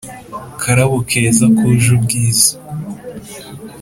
Karabo keza kuje ubwiza